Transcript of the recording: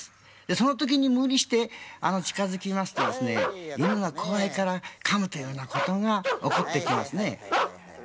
その時に無理して近づきますと犬が怖いからかむということが起こってきますね。